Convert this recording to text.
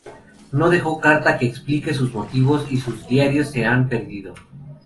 No dejó carta que explique sus motivos y sus diarios se han perdido.